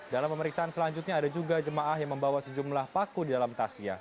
dalam pemeriksaan selanjutnya ada juga jemaah yang membawa sejumlah paku di dalam tasnya